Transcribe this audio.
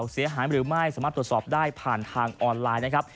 เสียหายหรือไม่สามารถตรวจสอบได้ผ่านทางออนไลน์นะครับ